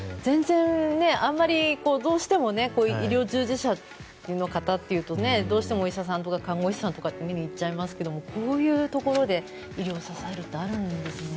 あまりどうしてもこう医療従事者の方というとどうしてもお医者さんとか看護師さんとかになりますけどこういうところで医療を支えるってあるんですね。